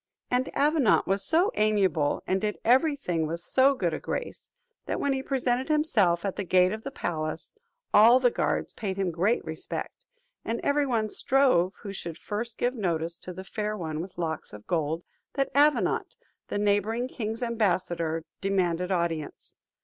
And Avenant was so amiable, and did every thing with so good a grace, that when he presented himself at the gate of the palace, all the guards paid him great respect, and every one strove who should first give notice to the Fair One with Locks of Gold, that Avenant, the neighbouring king's ambassador, demanded audience.